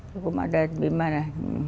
hukum adat gimana